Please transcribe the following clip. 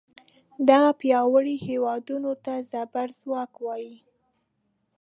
دغو پیاوړو هیوادونو ته زبر ځواک وایي.